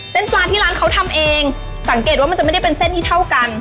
ปลาที่ร้านเขาทำเองสังเกตว่ามันจะไม่ได้เป็นเส้นที่เท่ากัน